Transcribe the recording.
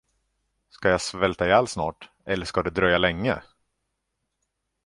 Skall jag svälta ihjäl snart, eller ska det dröja länge?